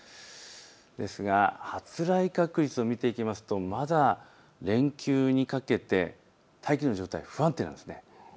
ですが発雷確率を見ていきますとまだ連休にかけて大気の状態が不安定なんです。